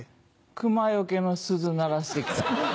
クマよけの鈴鳴らして来た。